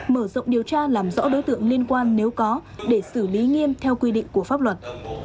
mở rộng điều tra làm rõ đối tượng liên quan nếu có để xử lý nghiêm theo quy định của pháp luật